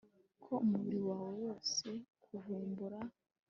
Ko umubiri wawe wose kuvumbura